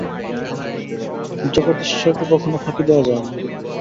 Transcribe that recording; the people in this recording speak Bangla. জগদীশ্বরকে কখনও ফাঁকি দেওয়া যায় না।